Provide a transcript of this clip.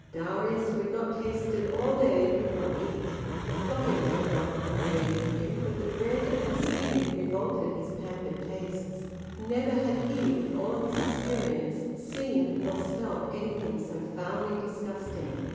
Darius, who had not tasted all day, could not eat. The flogging had not nauseated him, but the bread and the skilly revolted his pampered tastes. Never had he, with all his experience, seen nor smelt anything so foully disgusting.